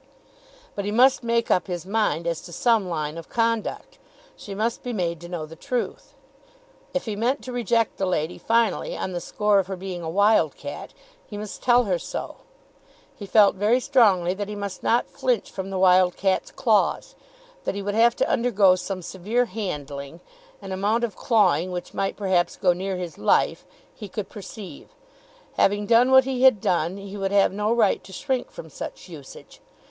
But he must make up his mind as to some line of conduct. She must be made to know the truth. If he meant to reject the lady finally on the score of her being a wild cat, he must tell her so. He felt very strongly that he must not flinch from the wild cat's claws. That he would have to undergo some severe handling, an amount of clawing which might perhaps go near his life, he could perceive. Having done what he had done he would have no right to shrink from such usage.